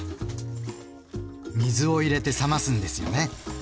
水を入れて冷ますんですよね。